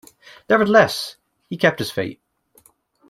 Nevertheless, he kept his faith.